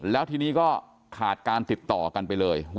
แล้วทีนี้ก็ขาดการติดต่อกันไปเลย